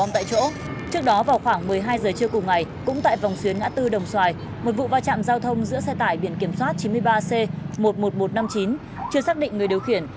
trước đó vào khoảng một mươi hai giờ trưa cùng ngày cũng tại vòng xuyến ngã tư đồng xoài một vụ va chạm giao thông giữa xe tải biển kiểm soát chín mươi ba c một mươi một nghìn một trăm năm mươi chín chưa xác định người điều khiển